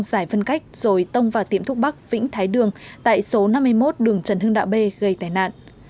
giải phân cách rồi tông vào tiệm thuốc bắc vĩnh thái đường tại số năm mươi một đường trần hưng đạo bê gây tai nạn